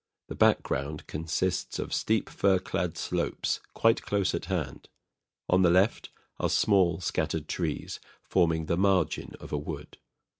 The background consists of steep fir clad slopes, quite close at hand. On the left are small scattered trees, forming the margin of a wood.